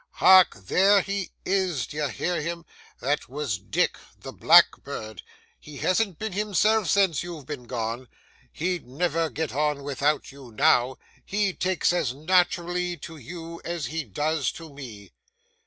Hark! there he is, d'ye hear him? That was Dick, the blackbird. He hasn't been himself since you've been gone. He'd never get on without you, now; he takes as naturally to you as he does to me.